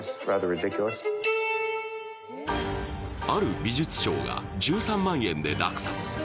ある美術商が１３万円で落札。